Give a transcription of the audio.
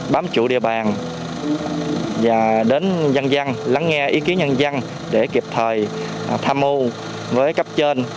bám trụ địa bàn và đến dân dân lắng nghe ý kiến nhân dân để kịp thời tham mưu với cấp trên